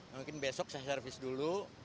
mungkin besok saya servis dulu